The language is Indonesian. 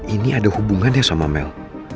ini ada hubungannya sama mel